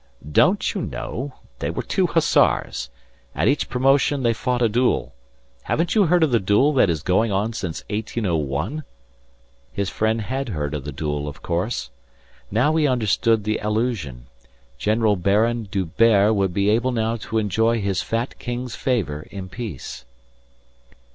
"Don't you know? They were two Hussars. At each promotion they fought a duel. Haven't you heard of the duel that is going on since 1801?" His friend had heard of the duel, of course. Now he understood the allusion. General Baron D'Hubert would be able now to enjoy his fat king's favour in peace.